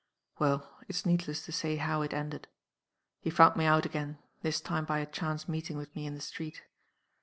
"Well, it's needless to say how it ended. He found me out again this time by a chance meeting with me in the street.